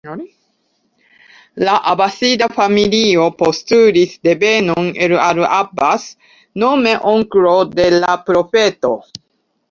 La Abasida familio postulis devenon el al-Abbas, nome onklo de la Profeto.